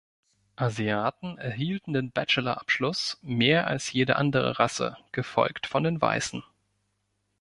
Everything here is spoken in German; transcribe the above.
Asiaten erhielten den Bachelor-Abschluss mehr als jede andere Rasse, gefolgt von den Weißen.